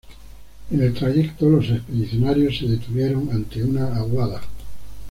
En el trayecto, los expedicionarios se detuvieron ante una aguada.